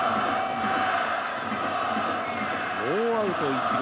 ノーアウト一塁